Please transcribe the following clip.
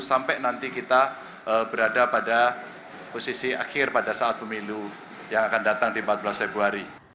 sampai nanti kita berada pada posisi akhir pada saat pemilu yang akan datang di empat belas februari